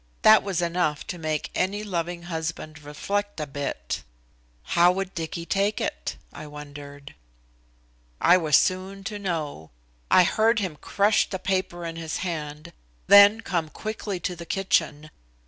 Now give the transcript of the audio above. That was enough to make any loving husband reflect a bit. How would Dicky take it? I wondered. I was soon to know. I Heard him crush the paper in his hand, then come quickly to the kitchen.